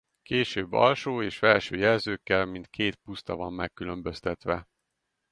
Később Alsó és Felső jelzőkkel mint két puszta van megkülönböztetve.